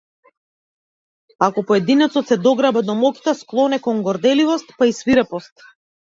Ако поединецот се дограба до моќта, склон е кон горделивост па и свирепост.